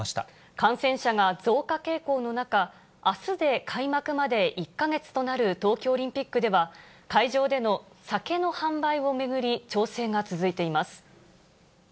感染者が増加傾向の中、あすで開幕まで１か月となる東京オリンピックでは、会場での酒の販売を巡り、調整が続いています。